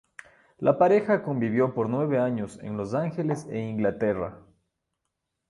La pareja convivió por nueve años en Los Ángeles e Inglaterra.